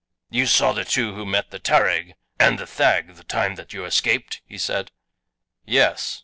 "You saw the two who met the tarag and the thag the time that you escaped?" he said. "Yes."